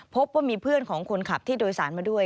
พบว่ามีเพื่อนของคนขับที่โดยสารมาด้วย